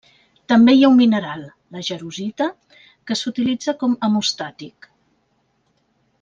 També hi ha un mineral, la jarosita que s'utilitza com hemostàtic.